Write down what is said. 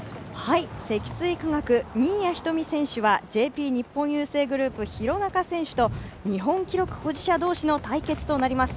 積水化学、新谷仁美選手はＪＰ日本郵政グループ、廣中選手と日本記録保持者同士の対決となります。